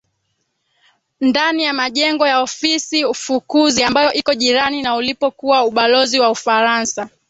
Ndani ya majengo ya ofisi fukuzi ambayo iko jirani na ulipokuwa ubalozi wa ufaransa